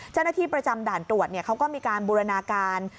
เจ้าหน้าที่ประจำด่านตรวจเขาก็มีการบูรณาการ